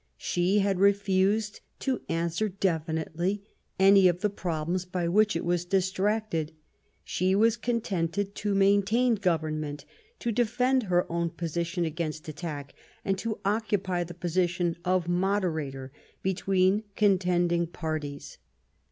She had refused to answer definitely any of the problems by which it was distracted. She was con tented to maintain government, to defend her own position against attack and to occupy the position of moderator between contending parties.